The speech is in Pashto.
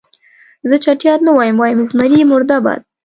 زه چټیات نه وایم، وایم زمري مرده باد.